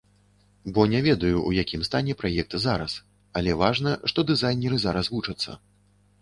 Бо не ведаю, у якім стане праект зараз, але важна, што дызайнеры зараз вучацца.